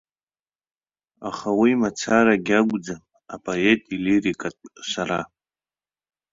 Аха уи мацарагьы акәӡам апоет илирикатә сара.